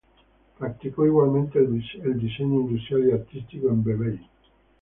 Practicó igualmente el diseño industrial y artístico en Vevey.